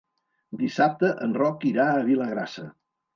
Dissabte en Roc irà a Vilagrassa.